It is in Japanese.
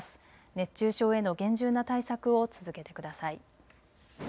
熱中症への厳重な対策を続けてください。